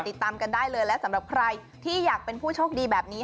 ติดตามกันได้เลยและสำหรับใครที่อยากเป็นผู้โชคดีแบบนี้